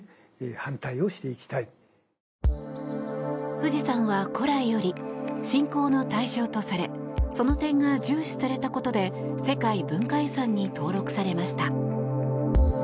富士山は古来より信仰の対象とされその点が重視されたことで世界文化遺産に登録されました。